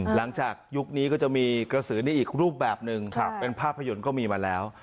ยุคนี้ก็จะมีกระสือนี้อีกรูปแบบหนึ่งเป็นภาพยนตร์ก็มีมาแล้ว